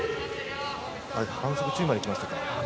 反則まで行きましたから。